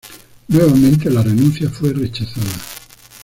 Nuevamente, la renuncia fue rechazada.